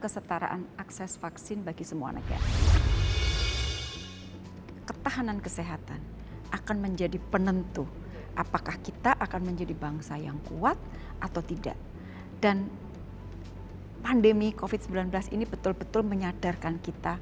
sekali lagi tadi disampaikan